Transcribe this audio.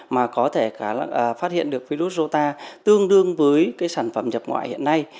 mà có thể phát hiện được virus rota tương đương với cái sản phẩm nhập ngoại hiện nay